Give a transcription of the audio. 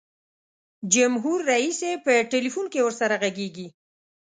جمهور رئیس یې په ټلفون کې ورسره ږغیږي.